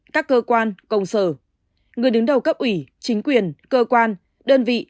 các cơ quan công sở người đứng đầu cấp ủy chính quyền cơ quan đơn vị